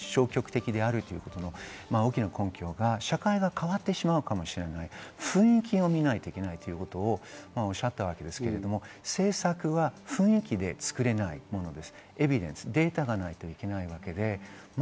私が言いたいことは、総理が先日、同性婚に消極的であるということ、大きな根拠が、社会が変わってしまうかもしれない、雰囲気を見なければいけないということをおっしゃったわけですけれど、政策は雰囲気で作れないものです。